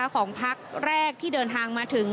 ของพักแรกที่เดินทางมาถึง